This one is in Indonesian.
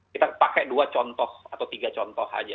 kita pakai dua contoh atau tiga contoh saja